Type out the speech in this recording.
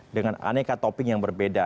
dengan aneka topping yang berbeda